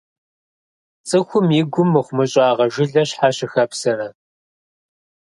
Цӏыхум и гум мыхъумыщӏагъэ жылэ щхьэ щыхэпсэрэ?